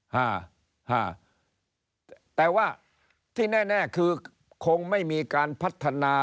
ห้าห้าแต่ว่าที่แน่แน่คือคงไม่มีการพัฒนา